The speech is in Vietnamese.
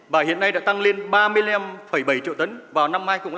và hiện nay đã tăng lên ba mươi năm bảy triệu tấn vào năm hai nghìn năm